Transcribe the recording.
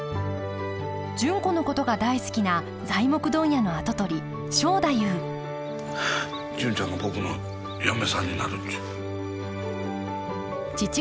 純子のことが大好きな材木問屋の跡取り正太夫純ちゃんが僕の嫁さんになるっちゅう。